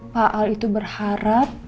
pak al itu berharap